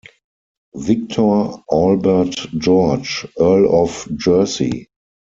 Victor Albert George, Earl of Jersey.